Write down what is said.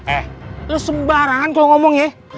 eh lo sembarangan kalau ngomong ya